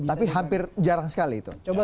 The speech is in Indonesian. tapi hampir jarang sekali itu